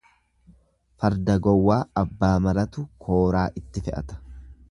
Farda gowwaa abbaa maratu kooraa itti fe'ata.